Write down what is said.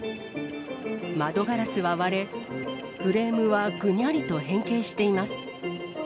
窓ガラスは割れ、フレームはぐにゃりと変形しています。